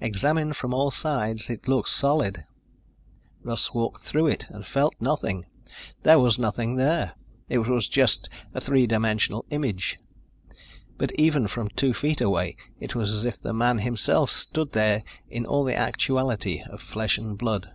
Examined from all sides, it looked solid. Russ walked through it and felt nothing. There was nothing there. It was just a three dimensional image. But even from two feet away, it was as if the man himself stood there in all the actuality of flesh and blood.